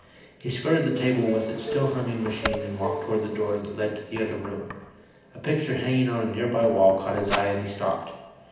He skirted the table with its still humming machine and walked toward the door that led to the other room. A picture hanging on a nearby wall caught his eye, and he stopped.